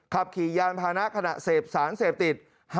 ขับขี่ยานพานะขณะเสพสารเสพติด